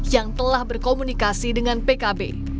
yang telah berkomunikasi dengan pkb